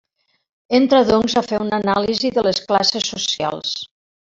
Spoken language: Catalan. Entra doncs a fer una anàlisi de les classes socials.